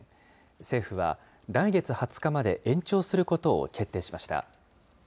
政府は、来月２０日まで延長することを決定しました。